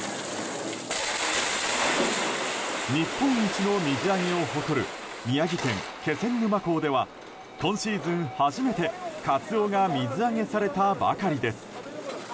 日本一の水揚げを誇る宮城県気仙沼港では今シーズン初めて、カツオが水揚げされたばかりです。